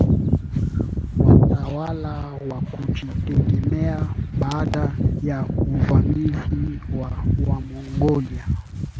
watawala wa kujitegemea Baada ya uvamizi wa Wamongolia